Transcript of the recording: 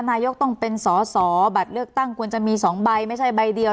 นายกต้องเป็นสอสอบัตรเลือกตั้งควรจะมี๒ใบไม่ใช่ใบเดียว